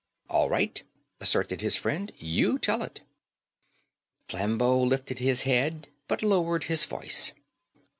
"All right," assented his friend. "You tell it." Flambeau lifted his head, but lowered his voice.